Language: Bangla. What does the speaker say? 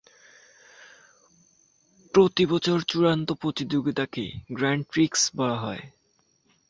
প্রতি বছর চূড়ান্ত প্রতিযোগিতাকে গ্র্যান্ড প্রিক্স বলা হয়।